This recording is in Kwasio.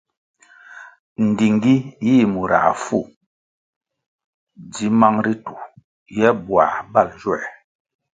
Ndtingi yih murah fu dzi mang ritu ñe buãh bal nzuer.